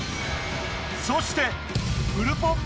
そしてフルポン